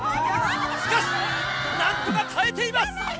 しかしなんとか耐えています。